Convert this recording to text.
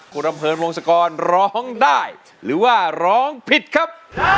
คุณอำเพลินวงศกรร้องได้หรือว่าร้องผิดครับ